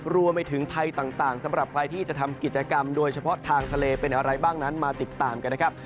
รวมไปถึงภัยต่างสำหรับใครที่จะทำกิจกรรมโดยเฉพาะทางทะเลเป็นอะไรบ้างนั้นมาติดตามกันนะครับ